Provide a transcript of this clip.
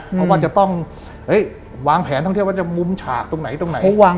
เพราะว่าจะต้องวางแผนท่องเที่ยวว่าจะมุมฉากตรงไหนตรงไหน